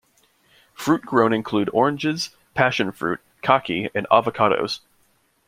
Fruit grown include oranges, passionfruit, kaki and avocados.